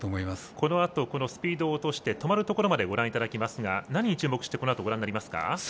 このあとスピードを落として止まるところまでご覧いただきますが何に注目してご覧になりますか？